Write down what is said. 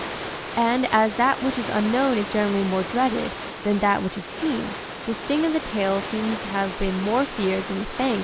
" And as that which is unknown is generally more dreaded than that which is seen, the sting of the tail seems to have been more feared than the fangs of the head.